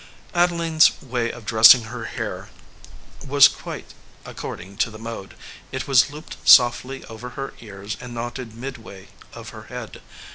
Adeline s way of dress ing her hair was quite according to the mode; it was looped softly over her ears and knotted mid way of her head.